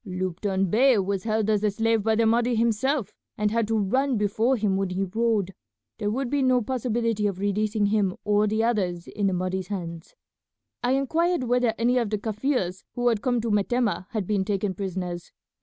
Lupton Bey was held as a slave by the Mahdi himself, and had to run before him when he rode. There would be no possibility of releasing him or the others in the Mahdi's hands. "I inquired whether any of the Kaffirs who had come to Metemmeh had been taken prisoners.